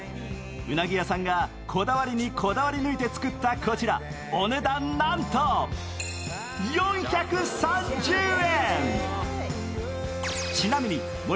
うなぎ屋さんがこだわりにこだわり抜いて作ったこちらお値段、なんと４３０円。